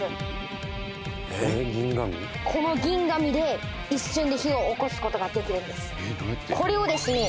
この銀紙で一瞬で火を起こすことができるんですこれをですね